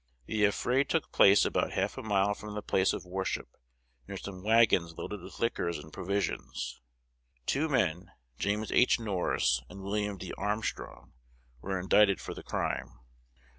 The affray took place about half a mile from the place of worship, near some wagons loaded with liquors and provisions. Two men, James H. Norris and William D. Armstrong, were indicted for the crime.